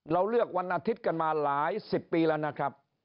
เราเลือกวันอาทิตย์กันมาหลายสิบปีแล้วนะครับ